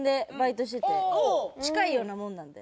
近いようなもんなので。